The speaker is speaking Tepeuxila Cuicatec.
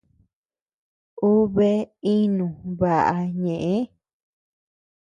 Uu bea ínu baʼa ñëʼe.